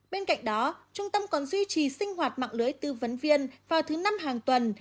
bên cạnh đó trung tâm còn duy trì sinh hoạt mạng lưới tư vấn viên vào thứ năm hàng tuần